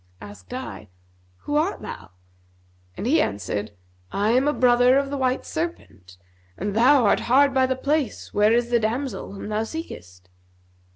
Asked I, 'Who art thou?' and he answered, 'I am a brother of the white serpent, and thou art hard by the place where is the damsel whom thou seekest.'